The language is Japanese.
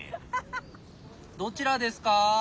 どちらですか？